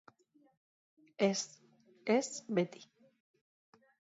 Ez, ez beti.